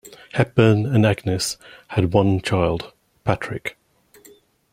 Hepburn and Agnes had one child: Patrick.